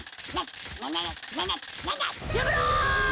やめろ！